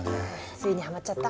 ついにハマっちゃった？